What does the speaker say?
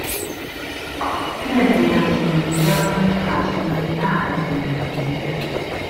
Viele Bilder sind in mehreren Fassungen erhalten geblieben.